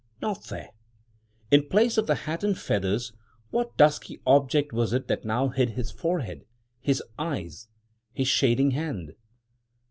Not there! In place of the hat and feathers, what dusky object was it that now hid his forehead, his eyes, his shading hand?